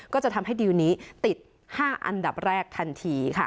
ก็จะทำให้ดีลนี้ติด๕อันดับแรกทันทีค่ะ